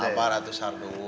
apa ratu sardu